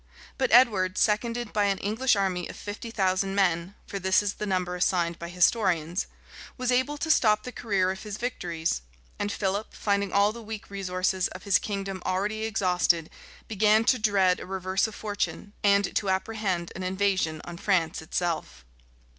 But Edward, seconded by an English army of fifty thousand men, (for this is the number assigned by historians,[*]) was able to stop the career of his victories; and Philip, finding all the weak resources of his kingdom already exhausted, began to dread a reverse of fortune, and to apprehend an invasion on France itself.